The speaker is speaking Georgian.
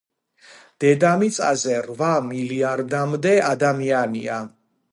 დედამიწაზე რვა მილიარდამდე ადამიანია